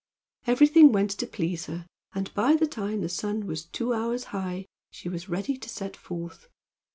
Everything went to please her, and by the time the sun was two hours high she was ready to set forth.